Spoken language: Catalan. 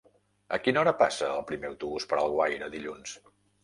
A quina hora passa el primer autobús per Alguaire dilluns?